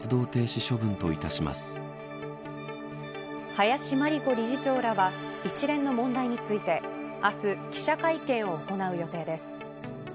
林真理子理事長らは一連の問題について明日、記者会見を行う予定です。